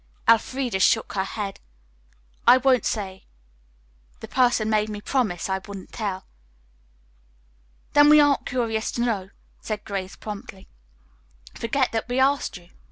Elfreda shook her head. "I won't say. The person made me promise I wouldn't tell." "Then we aren't curious to know," said Grace promptly. "Forget that we asked you."